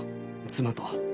妻と。